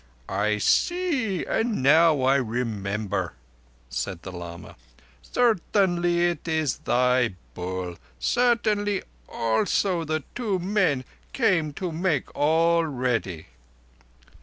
"I see, and now I remember." said the lama. "Certainly it is thy Bull. Certainly, also, the two men came to make all ready."